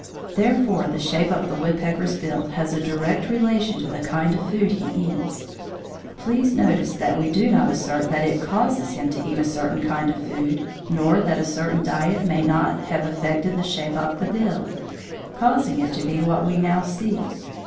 Therefore the shape of the woodpecker's bill has a direct relation to the kind of food he eats. Please notice that we do not assert that it causes him to eat a certain kind of food nor that a certain diet may not have affected the shape of the bill, causing it to be what we now see.